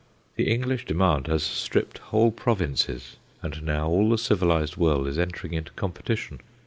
The English demand has stripped whole provinces, and now all the civilized world is entering into competition.